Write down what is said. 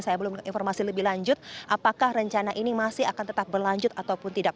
saya belum informasi lebih lanjut apakah rencana ini masih akan tetap berlanjut ataupun tidak